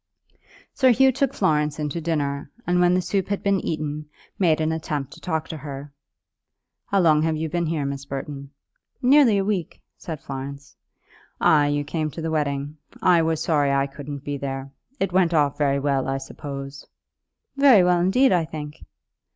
Sir Hugh took Florence in to dinner, and when the soup had been eaten made an attempt to talk to her. "How long have you been here, Miss Burton?" "Nearly a week," said Florence. "Ah; you came to the wedding; I was sorry I couldn't be here. It went off very well, I suppose?" "Very well indeed, I think."